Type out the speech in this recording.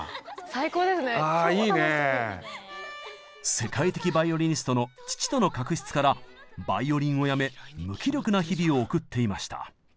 世界的バイオリニストの父との確執からバイオリンをやめ無気力な日々を送っていました。